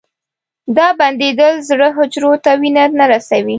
دا بندېدل زړه حجرو ته وینه نه رسوي.